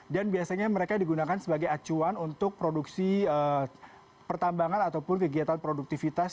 dan biasanya mereka digunakan sebagai acuan untuk produksi pertambangan ataupun kegiatan produktivitas